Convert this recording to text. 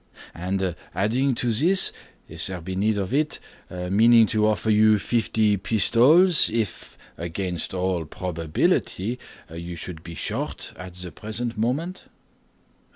"And adding to this, if there be need of it, meaning to offer you fifty pistoles, if, against all probability, you should be short at the present moment."